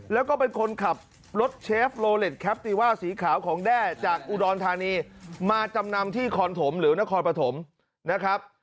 แล้วก็เป็นคนขับรถเชฟโลเล็ตแคปติว่าสีขาวของแด้จากอุดรธานีมาจำนำที่คอนถมหรือนครปฐมนะครับ